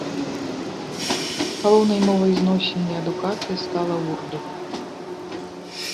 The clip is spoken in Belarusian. Галоўнай мовай зносін і адукацыі стала ўрду.